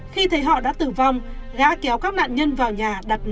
khi thấy họ đã tử vong gã kéo các nạn nhân vào nhà đặt nằm ngay bên trong